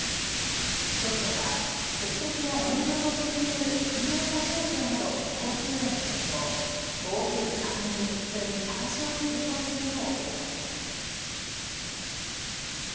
気象庁は積雪や路面の凍結による車の立往生など交通への影響、暴風、高波、それに高潮に警戒するよう呼びかけています。